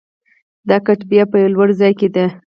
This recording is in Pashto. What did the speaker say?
دا کتیبه په یوه لوړ ځای کې ده